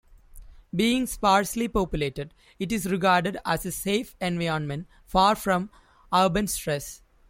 Being sparsely populated, it is regarded as a safe environment far from urban stress.